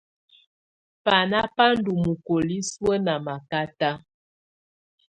Bána bá ndɔ́ mukoli suǝ́ ná makata.